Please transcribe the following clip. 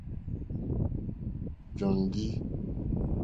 Jóndì.